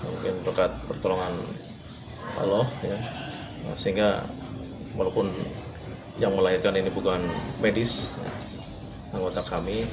mungkin dekat pertolongan allah sehingga walaupun yang melahirkan ini bukan medis anggota kami